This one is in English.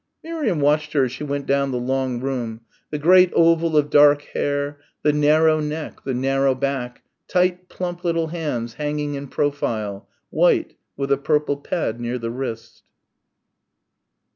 Miriam watched her as she went down the long room the great oval of dark hair, the narrow neck, the narrow back, tight, plump little hands hanging in profile, white, with a purple pad near the wrist.